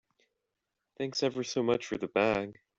Thanks ever so much for the bag.